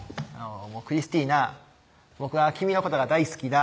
「クリスティナ僕は君のことが大好きだ」